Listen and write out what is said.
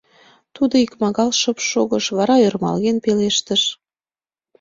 Тудо икмагал шып шогыш, вара ӧрмалген пелештыш.